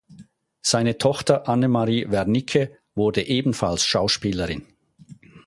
Seine Tochter Annemarie Wernicke wurde ebenfalls Schauspielerin.